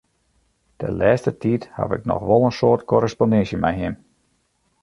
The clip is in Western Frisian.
De lêste tiid haw ik noch wol in soad korrespondinsje mei him.